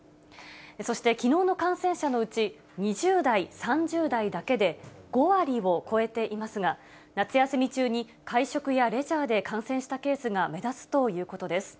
そしてきのうの感染者のうち、２０代、３０代だけで５割を超えていますが、夏休み中に会食やレジャーで感染したケースが目立つということです。